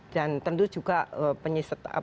dan tentu juga penyeset